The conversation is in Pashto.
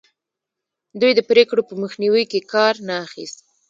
دوی د پرېکړو په مخنیوي کې کار نه اخیست.